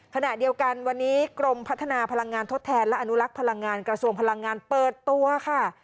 ขณะเดียวกันวันนี้กรมพัฒนาพลังงานทดแทนและอนุลักษ์พลังงานกระทรวงพลังงานเปิดตัวค่ะ